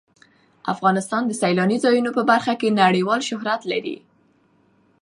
افغانستان د سیلانی ځایونه په برخه کې نړیوال شهرت لري.